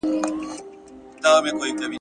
زه کولای سم پلان جوړ کړم!.